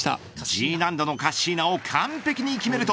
Ｇ難度のカッシーナを完璧に決めると。